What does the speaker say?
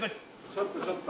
ちょっとちょっと。